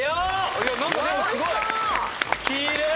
きれい！